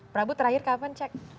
prabu terakhir kapan cek